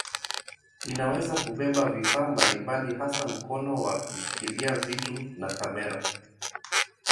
Inaweza kubeba vifaa mbalimbali hasa mkono wa kushikilia vitu na kamera.